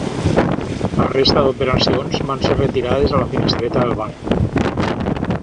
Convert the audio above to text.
La resta d’operacions van ser retirades a la finestreta del banc.